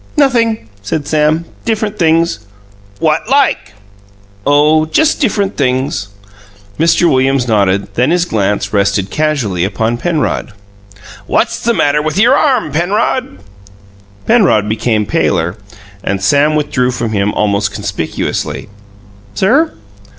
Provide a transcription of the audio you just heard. "Nothing," said Sam. "Different things." "What like?" "Oh just different things." Mr. Williams nodded; then his glance rested casually upon Penrod. "What's the matter with your arm, Penrod?" Penrod became paler, and Sam withdrew from him almost conspicuously. "Sir?"